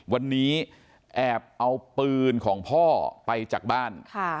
วันนี้แอบเอาปืนของพ่อไปจากบ้าน